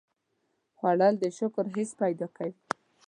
خوړل د شکر حس پیدا کوي